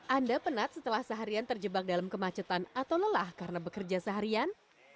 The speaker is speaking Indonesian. anda penat setelah seharian terjebak dalam kemacetan atau lelah karena bekerja seharian